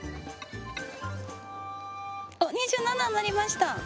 あ２７になりました。